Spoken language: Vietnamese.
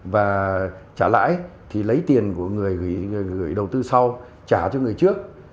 và trả lãi thì lấy tiền của người gửi đầu tư sau trả cho người trước